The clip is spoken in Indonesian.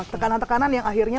tekanan tekanan yang akhirnya